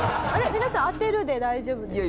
皆さん「あてる」で大丈夫ですか？